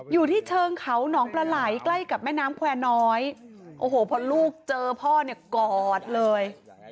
อยู่ที่เชิงเขาหนองปลาไหลใกล้กับแม่น้ำแควร์น้อยโอ้โหพอลูกเจอพ่อเนี่ยกอดเลย